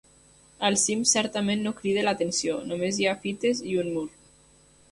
El cim certament no crida l'atenció, només hi ha fites i un mur.